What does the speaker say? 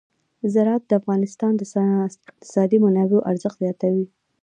زراعت د افغانستان د اقتصادي منابعو ارزښت زیاتوي.